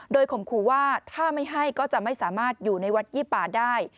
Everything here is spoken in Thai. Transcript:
โดยข่มขู่ว่าถ้าไม่ให้ก็จะไม่สามารถอยู่ในวัดยี่ป่าได้